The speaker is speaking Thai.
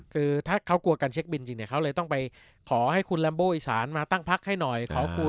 คือถ้าเขากลัวการเช็คบินจริงเนี่ยเขาเลยต้องไปขอให้คุณลัมโบอีสานมาตั้งพักให้หน่อยขอคุย